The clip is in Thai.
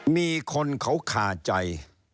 มีคนเขาคาใจ